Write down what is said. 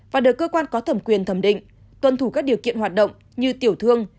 và được cơ quan có thẩm quyền thẩm định tuân thủ các điều kiện hoạt động như tiểu thương